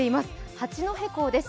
八戸港です。